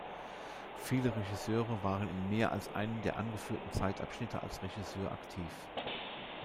Viele Regisseure waren in mehr als einem der angeführten Zeitabschnitte als Regisseur aktiv.